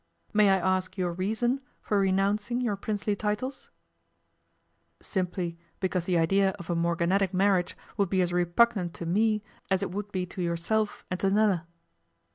May I ask your reason for renouncing your princely titles?' 'Simply because the idea of a morganatic marriage would be as repugnant to me as it would be to yourself and to Nella.